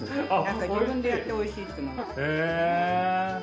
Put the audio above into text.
自分でやっておいしいっていうのも。